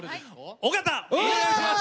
尾形、お願いします！